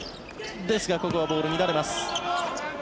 ここはボール乱れます。